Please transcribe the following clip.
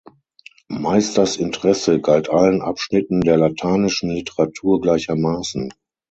Meisters Interesse galt allen Abschnitten der lateinischen Literatur gleichermaßen.